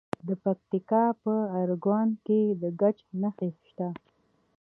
د پکتیکا په ارګون کې د ګچ نښې شته.